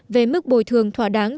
về mức bồi thường thỏa đáng